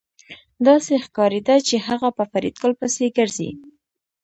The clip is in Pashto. داسې ښکارېده چې هغه په فریدګل پسې ګرځي